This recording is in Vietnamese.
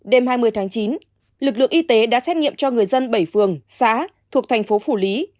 đêm hai mươi tháng chín lực lượng y tế đã xét nghiệm cho người dân bảy phường xã thuộc thành phố phủ lý